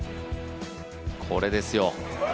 これですよ。